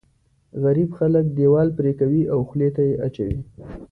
غريب خلک دیوال پرې کوي او خولې ته یې اچوي.